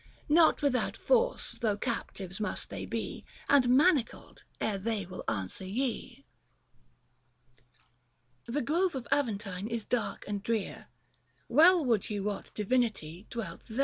Xot without force though, captives must they be, And manacled, ere they will answer ye." The grove of Aventine is dark and drear ;• Well would ye wot divinity dwelt there.